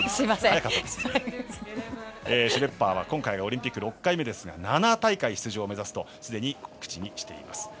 シュレッパーは今回がオリンピック６回目ですが７大会出場を目指すとすでに口にしています。